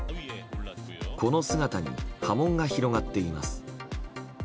この姿に波紋が広がっています。